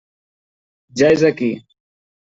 Ja és aquí.